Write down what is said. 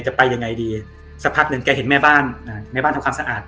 จะไปยังไงดีสักพักหนึ่งแกเห็นแม่บ้านแม่บ้านทำความสะอาด